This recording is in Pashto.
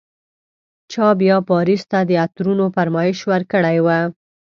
چا بیا پاریس ته د عطرونو فرمایش ورکړی و.